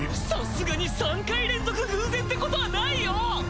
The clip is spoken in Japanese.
さすがに３回連続偶然ってことはないよ！